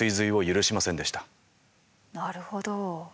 なるほど。